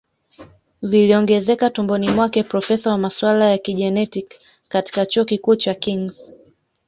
viliongezeka tumboni mwake Profesa wa masuala ya kijenetiki katika chuo kikuu cha Kings